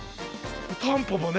「タンポポ」ね。